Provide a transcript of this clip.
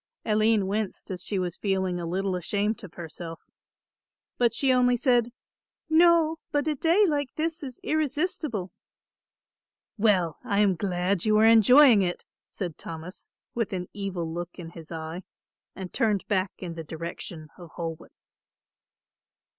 Aline winced, as she was feeling a little ashamed of herself, but she only said, "No, but a day like this is irresistible." "Well, I am glad you are enjoying it," said Thomas, with an evil look in his eye, and turned back in the direction of Holwick.